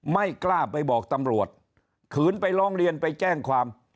ไม่กล้าไปบอกตำรวจขืนไปร้องเรียนไปแจ้งความ